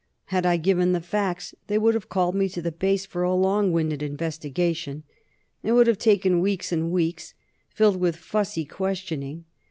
Had I given the facts, they would have called me to the Base for a long winded investigation. It would have taken weeks and weeks, filled with fussy questioning.